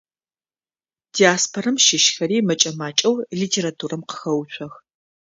Диаспорэм щыщхэри мэкӏэ-макӏэу литературэм къыхэуцох.